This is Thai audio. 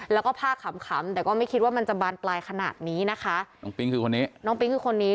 แล้วก็พาขำแต่ก็ไม่คิดว่ามันจะบานปลายขนาดนี้นะคะน้องปิ๊งคือคนนี้